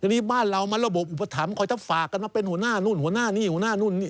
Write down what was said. ทีนี้บ้านเรามันระบบอุปถัมภคอยถ้าฝากกันว่าเป็นหัวหน้านู่นหัวหน้านี่หัวหน้านู่นนี่